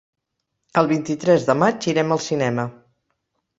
El vint-i-tres de maig irem al cinema.